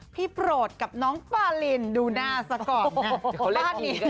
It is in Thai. โปรดกับน้องปาลินดูหน้าซะก่อนนะ